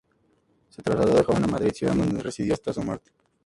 Se trasladó de joven a Madrid, ciudad donde residió hasta su muerte.